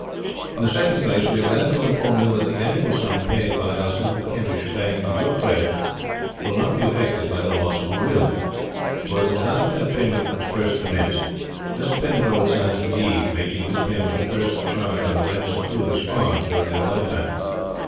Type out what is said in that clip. In the second place, we are glad to inform you that the annual sum paid by us into the Kentish bank to your credit will not be affected by the loss of the will; for at the time when that payment first commenced, Mr. Penfold signed a deed making this payment a first charge on the rents of two of his farms during your lifetime.